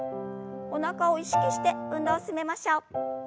おなかを意識して運動を進めましょう。